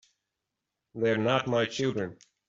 They're not my children.